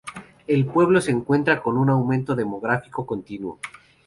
El pueblo se encuentra con un aumento demográfico continuo.